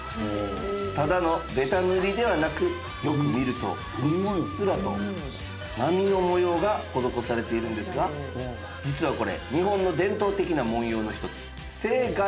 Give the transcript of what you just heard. ただのべた塗りではなくよく見るとうっすらと波の模様が施されているんですが実はこれ日本の伝統的な文様の一つ青海